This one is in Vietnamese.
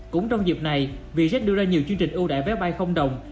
cũng trong dịp này vietjet đưa ra nhiều chương trình ưu đại vé bay không đồng